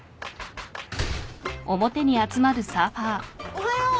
・おはよう。